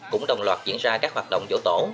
cũng đồng loạt diễn ra các hoạt động dỗ tổ